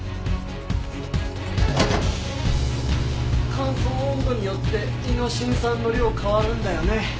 乾燥温度によってイノシン酸の量変わるんだよね。